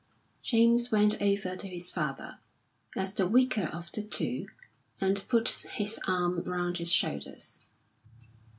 James went over to his father, as the weaker of the two, and put his arm round his shoulders.